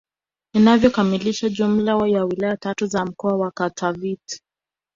Inayokamilisha jumla ya wilaya tatu za mkoa wa Katavi